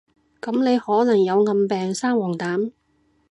噉你可能有暗病生黃疸？